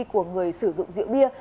của người sử dụng rượu bia